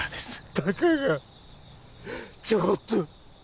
たかがちょこっと